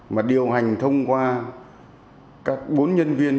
mà điều hành thông qua các bốn nhân viên